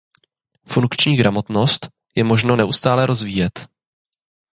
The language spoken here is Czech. Funkční gramotnost je možno neustále rozvíjet.